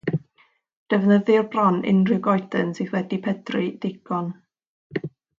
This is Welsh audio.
Defnyddir bron unrhyw goeden sydd wedi pydru digon.